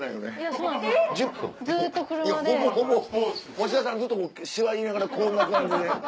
持田さんずっとシワ入れながらこんな感じで。